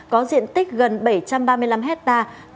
có diện tích gần bảy trăm ba mươi năm hectare